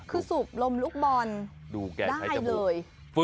คือสูบลมลูกบอลได้เลย